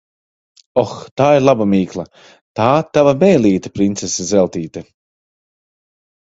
Oh, tā ir laba mīkla! Tā tava mēlīte, princese Zeltīte.